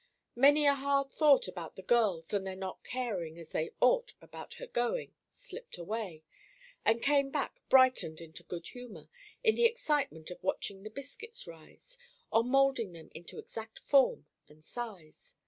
Many a hard thought about the girls and their not caring as they ought about her going, slipped away, and came back brightened into good humor, in the excitement of watching the biscuits rise, or moulding them into exact form and size.